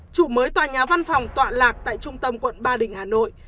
chủ mới tòa nhà văn phòng tọa lạc tại trung tâm quận ba đình hà nội